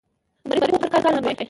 عمرې ته خو هر کال روان وي.